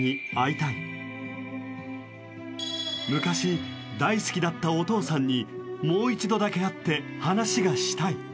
昔大好きだったお父さんにもう一度だけ会って話がしたい。